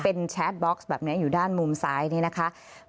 เป็นแชทบ็อกซ์แบบนี้อยู่ด้านมุมซ้ายนี่นะคะ